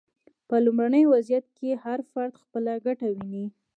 په لومړني وضعیت کې هر فرد خپله ګټه ویني.